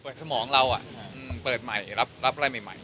เปิดสมองเราอะเปิดรับรายใหม่